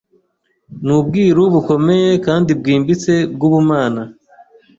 Ni ubwiru bukomeye kandi bwimbitse bw’ubumana.